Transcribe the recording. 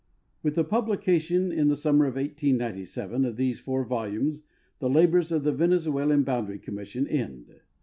With the publication in the summer of 1897 of these four v(.l umes the labors of the Venezuelan Boundary Commission end.